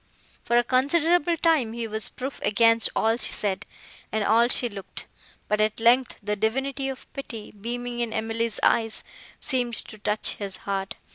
For a considerable time he was proof against all she said, and all she looked; but at length the divinity of pity, beaming in Emily's eyes, seemed to touch his heart.